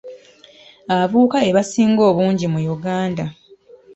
Abavubuka be basinga obungi mu Uganda.